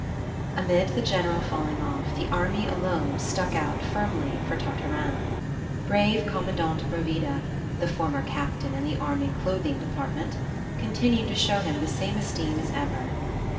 AMID the general falling off, the army alone stuck out firmly for Tartarin. Brave Commandant Bravida (the former captain in the Army Clothing Department) continued to show him the same esteem as ever.